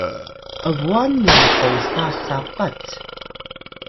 ’bwan nya posa sapat